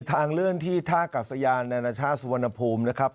มีทางเลื่อนที่ทากลักษณ์ญาชาสุวรรณภูมินะครับ